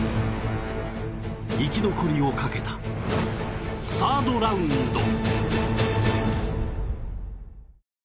生き残りをかけたサードラウンド。